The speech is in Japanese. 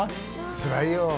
つらいよ。